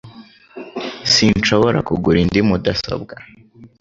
Sinshobora kugura indi mudasobwa